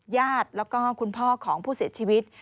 ญาติแล้วก็คุณพ่อของผู้เสียชีวิต